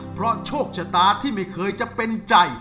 เพราะโชคชะตาที่ไม่เคยจะเป็นใจ